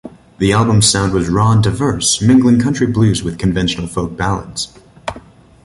The album's sound was raw and diverse, mingling country blues with conventional folk ballads.